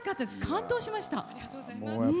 感動しました。